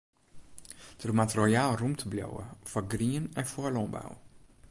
Der moat royaal rûmte bliuwe foar grien en foar lânbou.